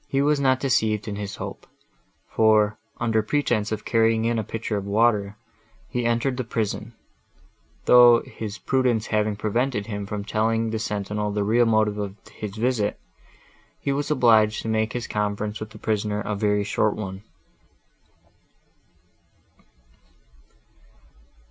He was not deceived in his hope; for, under pretence of carrying in a pitcher of water, he entered the prison, though, his prudence having prevented him from telling the sentinel the real motive of his visit, he was obliged to make his conference with the prisoner a very short one.